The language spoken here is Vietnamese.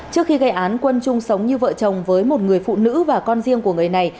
trước khi gây án quân chung sống như vợ chồng với một người phụ nữ và con riêng của người này